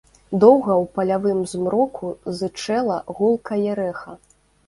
Доўга ў палявым змроку зычэла гулкае рэха.